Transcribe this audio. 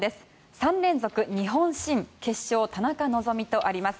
３連続日本新決勝、田中希実とあります。